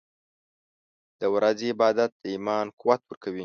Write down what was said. • د ورځې عبادت د ایمان قوت ورکوي.